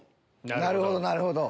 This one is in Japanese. なるほどなるほど。